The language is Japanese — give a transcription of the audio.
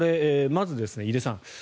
まず井出さん